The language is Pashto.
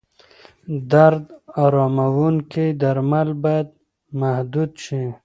درد اراموونکي درمل باید محدود شي.